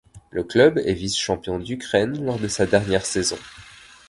Le club est vice-champion d'Ukraine lors de sa dernière saison.